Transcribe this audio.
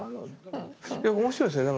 いや面白いですよね。